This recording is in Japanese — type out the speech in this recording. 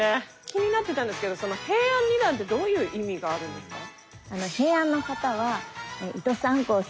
気になってたんですけど平安二段ってどういう意味があるんですか？